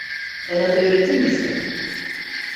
Bana da öğretir misin?